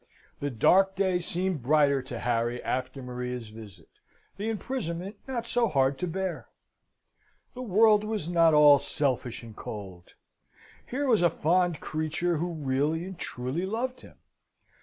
The dark day seemed brighter to Harry after Maria's visit: the imprisonment not so hard to bear. The world was not all selfish and cold. Here was a fond creature who really and truly loved him.